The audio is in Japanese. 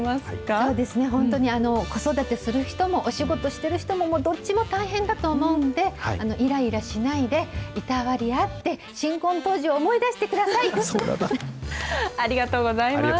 そうですね、本当に子育てする人も、お仕事してる人も、どっちも大変だと思うんで、いらいらしないで、いたわり合って、ありがとうございます。